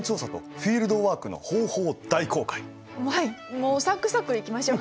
もうサクサクいきましょう。